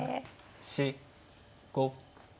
４５。